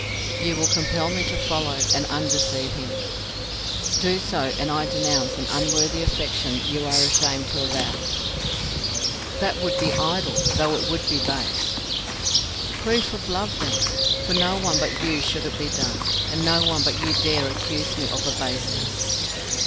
"You will compel me to follow, and undeceive him." "Do so, and I denounce an unworthy affection you are ashamed to avow." "That would be idle, though it would be base." "Proof of love, then! For no one but you should it be done, and no one but you dare accuse me of a baseness."